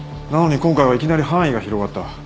なのに今回はいきなり範囲が広がった。